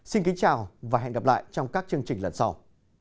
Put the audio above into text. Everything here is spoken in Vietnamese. xin kính chào và hẹn gặp lại trong các chương trình lần sau